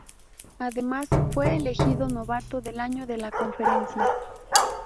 Además, fue elegido novato del año de la conferencia.